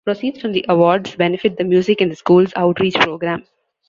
Proceeds from the awards benefit the "Music in the Schools" outreach program.